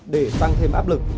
để tăng thêm áp lực